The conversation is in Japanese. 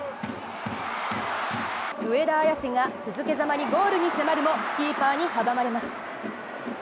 上田綺世が続けざまにゴールに迫るも、キーパーに阻まれます。